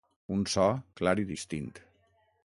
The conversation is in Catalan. Un so clar i distint.